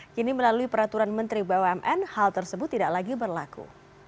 kini melalui peraturan menteri bumn hal tersebut tidak lagi berlaku